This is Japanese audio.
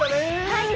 はい。